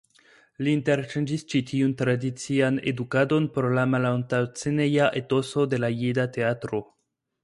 Li interŝanĝis ĉi tiun tradician edukadon por la malantaŭsceneja etoso de la jida teatro.